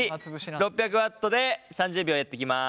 ６００Ｗで３０秒やっていきます。